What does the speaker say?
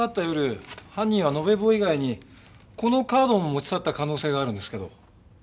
夜犯人は延べ棒以外にこのカードも持ち去った可能性があるんですけど。